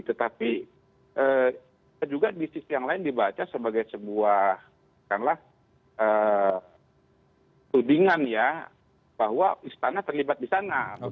tetapi juga di sisi yang lain dibaca sebagai sebuah tudingan ya bahwa istana terlibat di sana